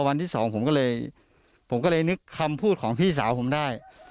พอวันที่๒ผมก็เลยนึกคำพูดของพี่สาวผมได้